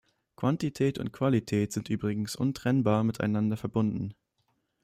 Quantität und Qualität sind übrigens untrennbar miteinander verbunden.